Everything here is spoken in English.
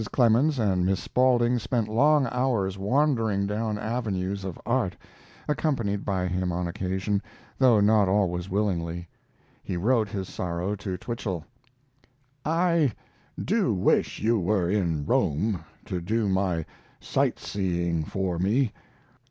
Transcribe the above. Clemens and Miss Spaulding spent long hours wandering down avenues of art, accompanied by him on occasion, though not always willingly. He wrote his sorrow to Twichell: I do wish you were in Rome to do my sight seeing for me.